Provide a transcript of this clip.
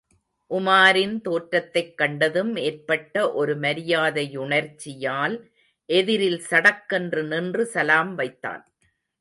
உமாரின் தோற்றத்தைக் கண்டதும் ஏற்பட்ட ஒரு மரியாதையுணர்ச்சியால் எதிரில் சடக்கென்று நின்று சலாம் வைத்தான்.